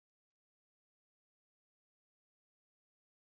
Continuó pintando hasta el final de sus días.